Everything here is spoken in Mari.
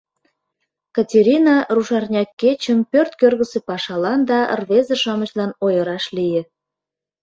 Катерина рушарня кечым пӧрт кӧргысӧ пашалан да рвезе-шамычлан ойыраш лие: